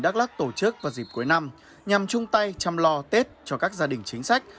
đắk lắc tổ chức vào dịp cuối năm nhằm chung tay chăm lo tết cho các gia đình chính sách